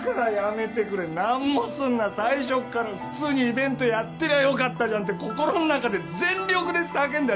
最初っから普通にイベントやってりゃよかったじゃんって心の中で全力で叫んだよ。